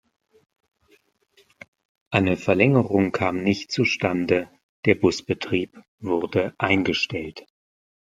Eine Verlängerung kam nicht zustande, der Busbetrieb wurde eingestellt.